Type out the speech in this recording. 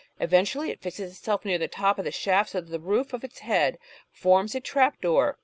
Eventually it fixes itself near the top of the shaft so that the roof of its head forms a trap door.